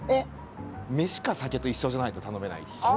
飯か酒と一緒じゃないと頼めない。